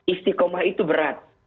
istikomah itu berat